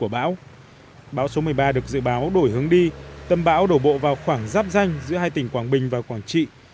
bão số một mươi ba được dự báo đổi hướng đi tâm bão đổ bộ vào khoảng giáp danh giữa hai tỉnh quảng bình và quảng trị